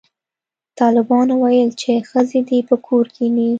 طالبانو ویل چې ښځې دې په کور کښېني